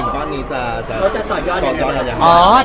เขาจะตอดยอดยังไง